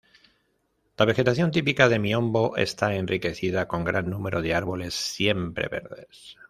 La vegetación típica de miombo está enriquecida con gran número de árboles siempreverdes.